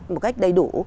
một cách đầy đủ